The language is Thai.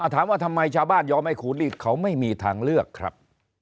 ถามว่าทำไมชาวบ้านยอมให้ขูดรีดเขาไม่มีทางเลือกครับ